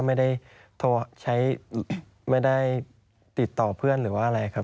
ไม่ได้ติดต่อเพื่อนหรือว่าอะไรครับ